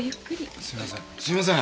すいません。